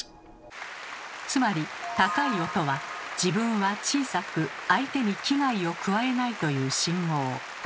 つまり高い音は自分は小さく相手に危害を加えないという信号。